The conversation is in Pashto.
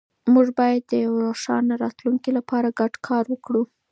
موږ باید د یو روښانه راتلونکي لپاره ګډ کار وکړو.